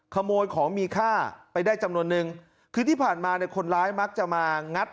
ขโมยของมีค่าไปได้จำนวนนึงคือที่ผ่านมาเนี่ยคนร้ายมักจะมางัด